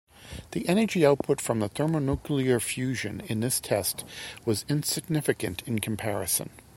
The energy output from the thermonuclear fusion in this test was insignificant in comparison.